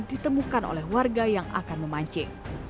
ditemukan oleh warga yang akan memancing